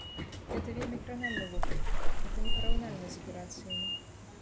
Гэта вельмі кранальны вопыт, гэта непараўнальна з аперацыямі.